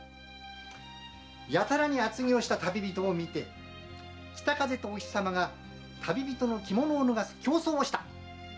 やたらに厚着をした旅人を見て北風とお日様が旅人の着物を脱がす競争をした！